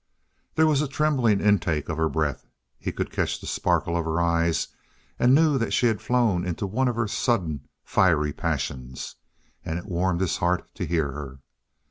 There was a trembling intake of her breath. He could catch the sparkle of her eyes, and knew that she had flown into one of her sudden, fiery passions. And it warmed his heart to hear her.